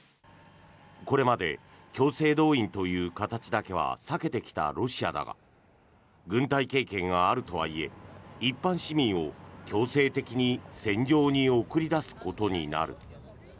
これまで強制動員という形だけは避けてきたロシアだが軍隊経験があるとはいえ一般市民を強制的に戦場に送り出すことになる。